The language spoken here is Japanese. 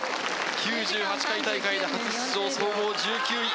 ９８回大会で初出場、総合１９位。